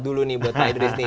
dulu nih buat pak idris nih